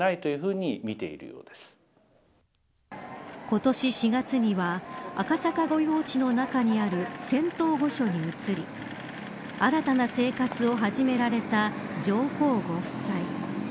今年４月には赤坂御用地の中にある仙洞御所に移り新たな生活を始められた上皇ご夫妻。